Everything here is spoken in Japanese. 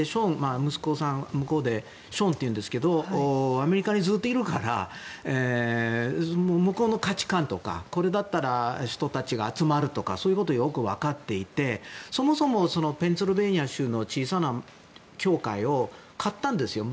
息子さん、向こうでショーンというんですがアメリカにずっといるから向こうの価値観とかこれだったら人たちが集まるとかそういうことをよく分かっていてそもそもペンシルベニア州の小さな教会を買ったんですよ